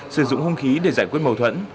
sử dụng không khí để giải quyết mâu thuẫn